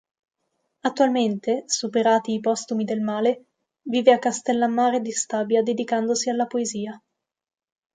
Attualmente, superati i postumi del male, vive a Castellammare di Stabia dedicandosi alla poesia.